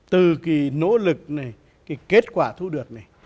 từ cái nỗ lực này cái kết quả thu được này